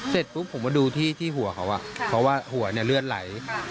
เสร็จปุ๊บผมมาดูที่หัวเขาเพราะว่าหัวเนี่ยเลือดไหล